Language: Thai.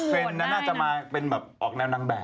น่าจะมาเป็นแบบออกแนวนางแบบ